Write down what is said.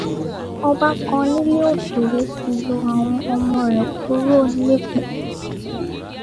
Ọba kan nílẹ̀ òkèrè ti yọ àwọn ọmọ rẹ̀ kúrò nípò.